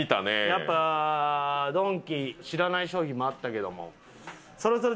やっぱドンキ知らない商品もあったけども。